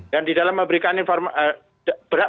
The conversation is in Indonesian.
dan di dalam berhak